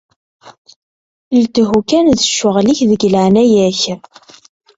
Lethu kan d ccɣel-ik, deg leɛnaya-k.